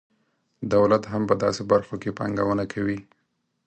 دولت هم په داسې برخو کې پانګونه کوي.